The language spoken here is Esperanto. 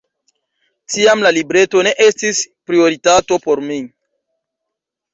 Tiam la libreto ne estis prioritato por mi.